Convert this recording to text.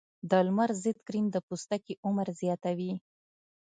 د لمر ضد کریم د پوستکي عمر اوږدوي.